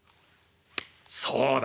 そうだ！